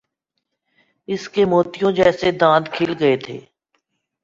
اس کے موتیوں جیسے دانت کھل گئے تھے۔